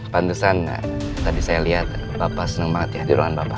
pantesan tadi saya lihat bapak senang banget ya di ruangan bapak